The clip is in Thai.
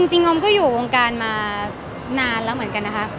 อมก็อยู่วงการมานานแล้วเหมือนกันนะคะ